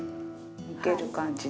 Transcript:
抜ける感じで。